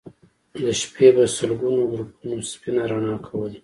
د شپې به سلګونو ګروپونو سپينه رڼا کوله